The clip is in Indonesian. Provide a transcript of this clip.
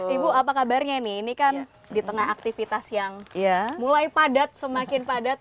ibu apa kabarnya nih ini kan di tengah aktivitas yang mulai padat semakin padat